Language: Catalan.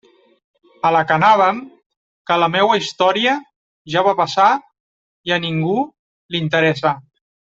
A la que anàvem, que la meua història ja va passar i a ningú li interessa.